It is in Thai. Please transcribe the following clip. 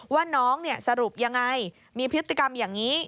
ว่าน้องสรุปยังไงมีพฤติกรรมอย่างนี้